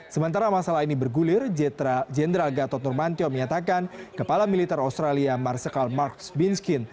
sementara masalah ini bergulir jenderal gatot nurmantio menyatakan kepala militer australia marsikal marx binskin